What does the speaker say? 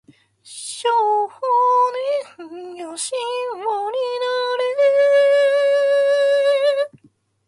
少年よ神話になれ